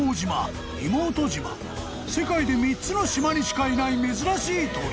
［世界で３つの島にしかいない珍しい鳥］